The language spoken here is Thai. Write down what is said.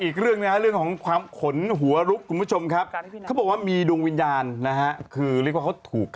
เค้าบอกให้หนูทำหน้าเลยเหมือนว่าลูก